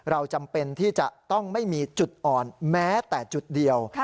จำเป็นที่จะต้องไม่มีจุดอ่อนแม้แต่จุดเดียว